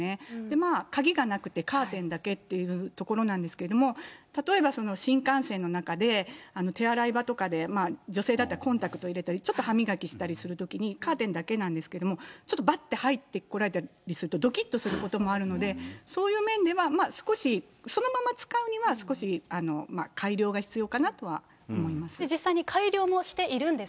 まあ、鍵がなくてカーテンだけっていうところなんですけれども、例えば、新幹線の中で、手荒い場とかで、女性だったらコンタクト入れたり、ちょっと歯磨きしたりするときに、カーテンだけなんですけども、ちょっとばっと入ってこられたりすると、どきっとすることもあるので、そういう面では少しそのまま使うには、実際に改良もしているんです。